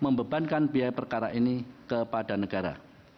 lima mbebankan biaya perkara ini kepada negara